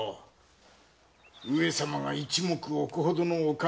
上様が一目置くほどのお方だ。